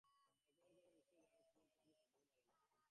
কেমন করে নিশ্চয় জানব কুমুর পক্ষে এ সম্বন্ধ সব চেয়ে ভালো নয়?